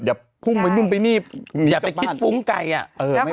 อย่าไปพิษฟุ้งไก่